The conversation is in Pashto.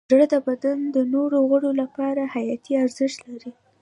زړه د بدن د نورو غړو لپاره حیاتي ارزښت لري.